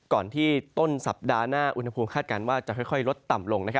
ก่อนที่ต้นสัปดาห์น่าวิ่งคาดการณ์ว่าจะลดต่ำลง